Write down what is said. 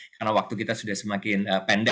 karena waktu kita sudah semakin penuh ya pak andre